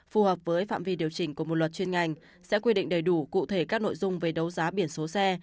phù hợp với phạm vi điều chỉnh của một luật chuyên ngành sẽ quy định đầy đủ cụ thể các nội dung về đấu giá biển số xe